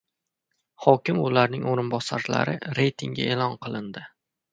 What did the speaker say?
Hokim va ularning o‘rinbosarlari reytingi e’lon qilindi